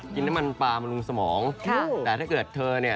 กินน้ำมันปลาบำรุงสมองแต่ถ้าเกิดเธอเนี่ย